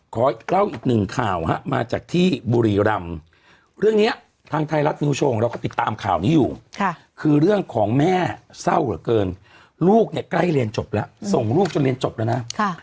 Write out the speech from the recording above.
ขอเล่าอีกหนึ่งข่าวฮะมาจากที่บุรีรำเรื่องนี้ทางไทยรัฐนิวโชว์เราก็ติดตามข่าวนี้อยู่คือเรื่องของแม่เศร้าเหลือเกินลูกเนี่ยใกล้เรียนจบแล้วส่งลูกจนเรียนจบแล้วนะ